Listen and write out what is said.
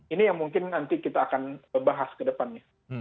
ini yang mungkin nanti kita akan bahas ke depannya